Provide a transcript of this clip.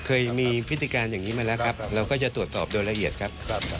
เคยมีพฤติการอย่างนี้มาแล้วครับเราก็จะตรวจสอบโดยละเอียดครับ